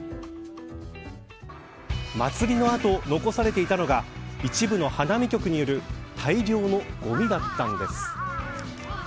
祭りの後、残されていたのが一部の花見客による大量のごみだったんです。